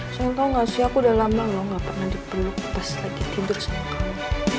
saya tau gak sih aku udah lama loh gak pernah dipeluk pas lagi tidur sama kamu